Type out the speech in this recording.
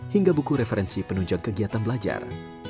hingga buku referensi penunjang kegiatan belajar